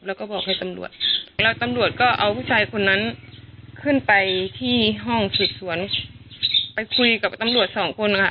แล้วก็บอกให้ตำรวจแล้วตำรวจก็เอาผู้ชายคนนั้นขึ้นไปที่ห้องสืบสวนไปคุยกับตำรวจสองคนค่ะ